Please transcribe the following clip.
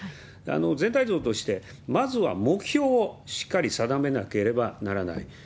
全体像として、まずは目標をしっかり定めなければならない。